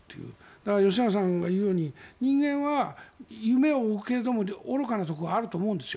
吉永さんが言うように人間は夢を追うけれども愚かなところがあると思うんです。